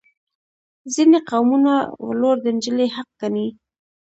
ځینې قومونه ولور د نجلۍ حق ګڼي.